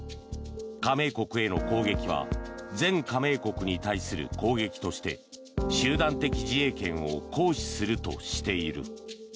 加盟国への攻撃は全加盟国に対する攻撃として集団的自衛権を行使するとしている。